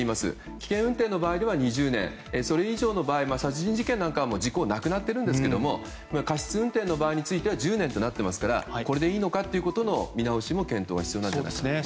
危険運転の場合では２０年、それ以上の場合殺人事件なんかの場合は時効はなくなっているんですが過失運転の場合は１０年となっていますからこれでいいのかということの見直しの検討も必要なんじゃないんでしょうか。